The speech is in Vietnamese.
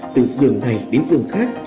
từ giường này đến giường khác